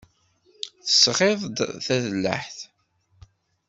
Tesɣiḍ-d tadellaɛt?